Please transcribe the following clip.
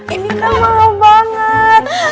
ini kan mahal banget